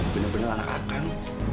bener bener anak akang